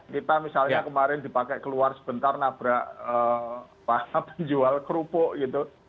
kita misalnya kemarin dipakai keluar sebentar nabrak penjual kerupuk gitu